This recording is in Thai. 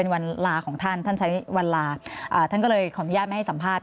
วันลาของท่านท่านใช้วันลาท่านก็เลยขออนุญาตไม่ให้สัมภาษณ